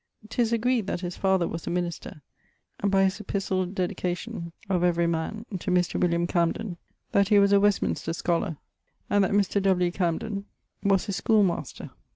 'Tis agreed that his father was a minister; and by his epistle dedicat.[IV.] of 'Every Man ...' to Mr. William Camden that he was a Westminster scholar and that Mr. W. Camden was his school master.